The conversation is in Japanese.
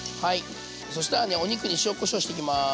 そしたらねお肉に塩こしょうしていきます。